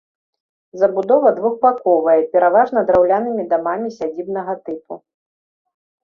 Забудова двухбаковая, пераважна драўлянымі дамамі сядзібнага тыпу.